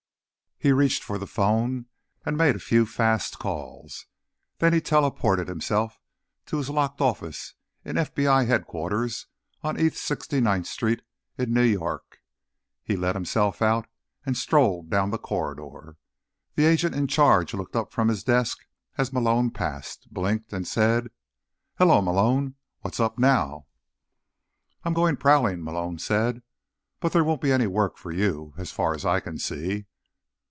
He reached for the phone and made a few fast calls, and then teleported himself to his locked office in FBI Headquarters, on East 69th Street in New York. He let himself out, and strolled down the corridor. The agent in charge looked up from his desk as Malone passed, blinked, and said, "Hello, Malone. What's up now?" "I'm going prowling," Malone said. "But there won't be any work for you, as far as I can see."